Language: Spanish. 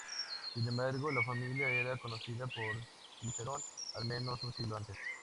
Sin embargo, la familia era conocida por Cicerón al menos un siglo antes.